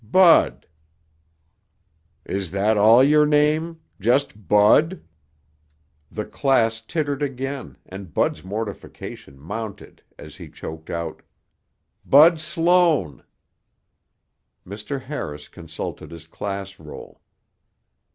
"Bud." "Is that all your name? Just Bud?" The class tittered again and Bud's mortification mounted as he choked out, "Bud Sloan." Mr. Harris consulted his class roll.